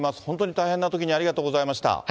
本当に大変なときに、ありがとうございました。